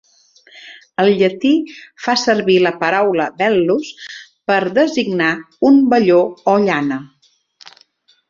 El llatí va servir la paraula "vellus" per designar "un velló" o "llana".